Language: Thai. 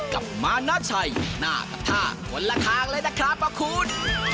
กับมานาชัยหน้ากับท่าคนละทางเลยนะครับว่าคุณ